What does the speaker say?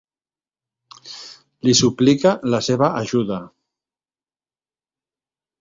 Li suplica la seva ajuda.